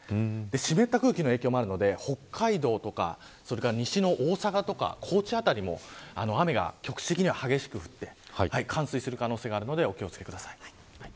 湿った空気の影響もあるので北海道とかそれから西の大阪とか高知辺りも雨が局地的には激しく降って冠水する可能性があるのでお気を付けください。